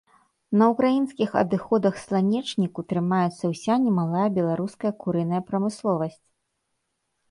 На ўкраінскіх адыходах сланечніку трымаецца ўся немалая беларуская курыная прамысловасць.